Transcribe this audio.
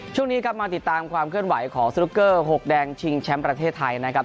ช่วงนี้กลับมาติดตามความเคลื่อนไหวของสนุกเกอร์๖แดงชิงแชมป์ประเทศไทยนะครับ